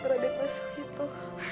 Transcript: rada masa itu